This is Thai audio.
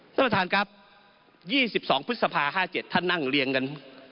ท่านประธานครับ๒๒พฤษภา๕๗ท่านนั่งเรียงกัน